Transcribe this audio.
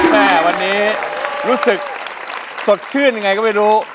แม่วันนี้รู้สึกสดชื่นยังไงก็ไม่รู้